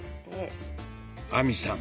亜美さん